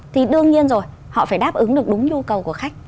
thì đương nhiên rồi họ phải đáp ứng được đúng nhu cầu của khách